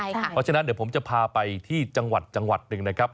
เพราะฉะนั้นเดี๋ยวผมจะพาไปที่จังหวัดหนึ่งนะครับ